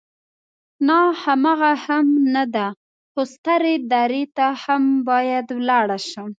نه، هماغه هم نه ده، خو سترې درې ته هم باید ولاړ شم.